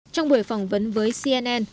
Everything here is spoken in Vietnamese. trong buổi phỏng vấn với cnn